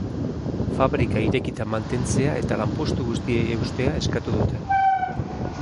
Fabrika irekita mantentzea eta lanpostu guztiei eustea eskatu dute.